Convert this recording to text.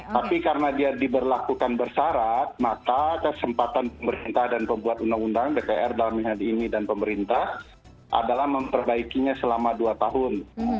tapi karena dia diberlakukan bersarat maka kesempatan pemerintah dan pembuat undang undang dpr dalam hal ini dan pemerintah adalah memperbaikinya selama dua tahun